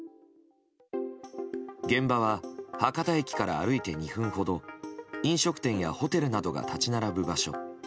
現場は博多駅から歩いて２分ほど飲食店やホテルなどが立ち並ぶ場所。